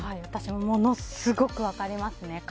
私もものすごく分かりますね。